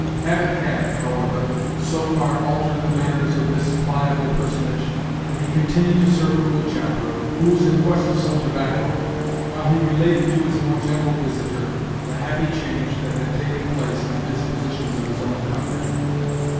Habit had, however, so far altered the manners of this pliable person age, that he continued to serve the wood chopper, who was in quest of some tobacco, while he related to his more gentle visitor the happy change that had taken place in the dispositions of his own countrymen.